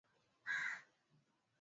hiyo inachangia lakini tena